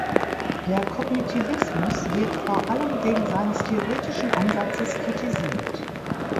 Der Kognitivismus wird vor allem wegen seines theoretischen Ansatzes kritisiert.